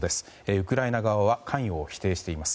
ウクライナ側は関与を否定しています。